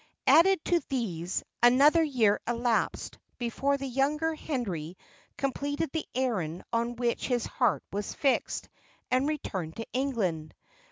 Added to these, another year elapsed before the younger Henry completed the errand on which his heart was fixed, and returned to England.